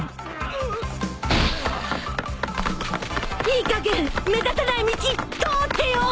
いいかげん目立たない道通ってよ。